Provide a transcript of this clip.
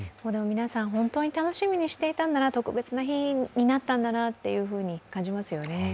皆さん、本当に楽しみにしていたんだな、特別な日になったんだなと感じますよね。